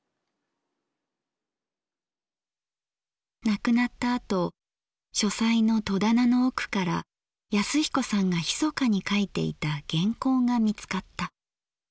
亡くなったあと書斎の戸棚の奥から恭彦さんがひそかに書いていた原稿が見つかった。